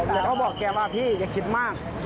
แต่เขาบอกแกว่าพี่อย่าคิดมาก